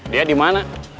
dia di mana